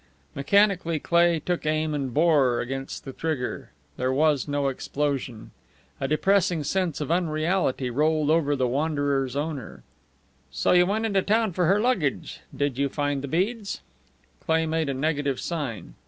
Mechanically Cleigh took aim and bore against the trigger. There was no explosion. A depressing sense of unreality rolled over the Wanderer's owner. "So you went into town for her luggage? Did you find the beads?" Cleigh made a negative sign.